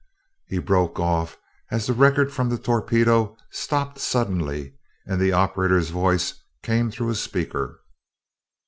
He broke off as the record from the torpedo stopped suddenly and the operator's voice came through a speaker.